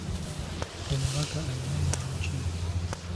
Omubaka alina mulimu ki?